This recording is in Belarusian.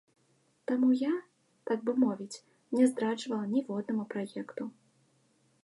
Таму я, так бы мовіць, не здраджвала ніводнаму праекту.